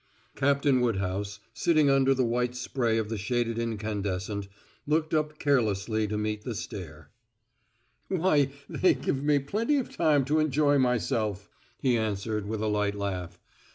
Captain Woodhouse, sitting under the white spray of the shaded incandescent, looked up carelessly to meet the stare. "Why, they give me plenty of time to enjoy myself," he answered, with a light laugh.